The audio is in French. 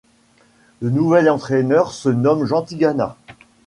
Le nouvel entraîneur se nomme Jean Tigana.